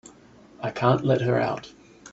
I can't let her out.